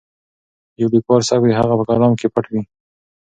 د یو لیکوال سبک د هغه په کلام کې پټ وي.